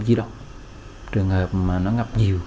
trừ đường hợp mà nó ngập nhiều